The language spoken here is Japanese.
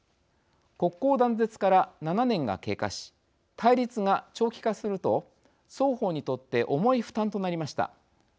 国交断絶から７年が経過し対立が長期化すると双方にとって重い負担となりました。